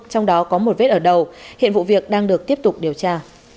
trong đó có một vết ở đầu hiện vụ việc đang được tiếp tục điều tra